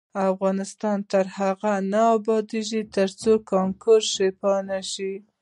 افغانستان تر هغو نه ابادیږي، ترڅو کانکور شفاف نشي.